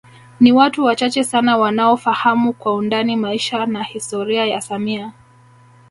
Ni watu wachache sana wanaofahamu kwa undani maisha na historia ya samia